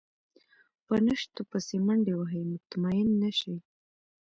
په نشتو پسې منډې وهي مطمئن نه شي.